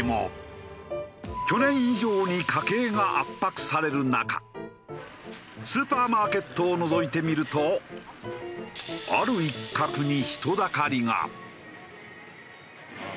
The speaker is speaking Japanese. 去年以上に家計が圧迫される中スーパーマーケットをのぞいてみるとある一角に人だかりが。